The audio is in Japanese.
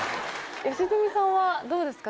良純さんはどうですか？